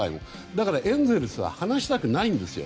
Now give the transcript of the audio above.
だからエンゼルスは離したくないんですよ。